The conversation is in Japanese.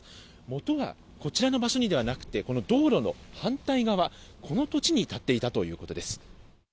もとは、こちらの場所にではなくて、道路の反対側この土地に建っていたということです。